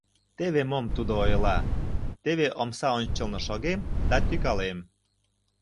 Теве мом Тудо ойла: «Теве омса ончылно шогем да тӱкалем.